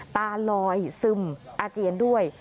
ตาลอยซึมอาเจียนด้วย